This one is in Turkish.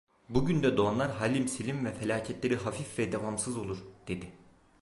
Bu günde doğanlar halim selim ve felaketleri hafif ve devamsız olur, dedi.